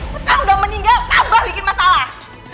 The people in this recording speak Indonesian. terus kau udah meninggal abah bikin masalah